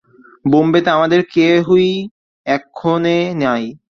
বোম্বেতে আমাদের কেহই এক্ষণে নাই।